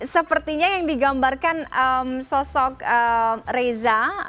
sepertinya yang digambarkan sosok reza